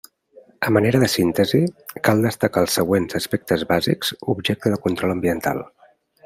A manera de síntesi, cal destacar els següents aspectes bàsics objecte de control ambiental.